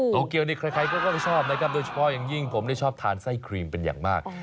โตเกียวนี่ใครก็ต้องชอบนะครับโดยเฉพาะอย่างยิ่งผมชอบทานไส้ครีมเป็นอย่างมาก